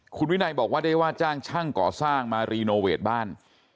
คุณวินัยบอกว่าได้ว่าจ้างช่างก่อสร้างมารีโนเวทบ้าน